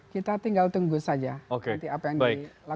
kita tinggal tunggu saja nanti apa yang dilakukan